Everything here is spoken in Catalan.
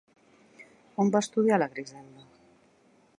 On va estudiar la Griselda?